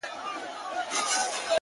o کور مي ورانېدی ورته کتله مي ـ